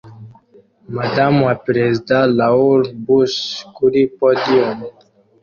Madamu wa Perezida Laura Bush kuri podium